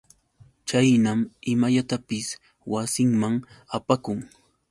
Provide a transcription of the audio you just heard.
Chaynam imallatapis wasinman apakun.